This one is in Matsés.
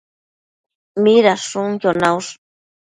Midashunquio naush?